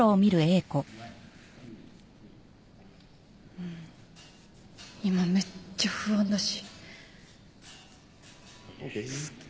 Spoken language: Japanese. うん今めっちゃ不安だし。